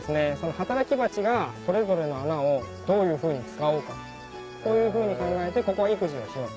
働きバチがそれぞれの穴をどういうふうに使おうかこういうふうに考えてここは育児をしよう